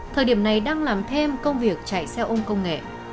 thời điểm này đang làm thêm công việc chạy xe ôn công nghệ